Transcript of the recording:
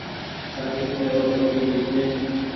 هر ڪسمي رو پکي ڀي ڇي